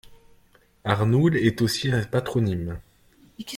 Arnoul est aussi un patronyme.